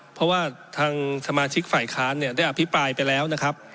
เพราะว่าทางสมาชิกฝ่ายค้านเนี่ยได้อภิปรายไปแล้วนะครับ